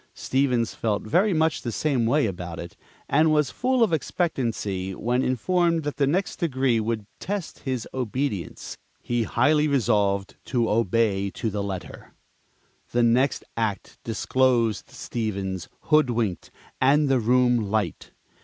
Stevens felt very much the same way about it, and was full of expectancy when informed that the next degree would test his obedience. He highly resolved to obey to the letter. The next act disclosed Stevens hoodwinked, and the room light.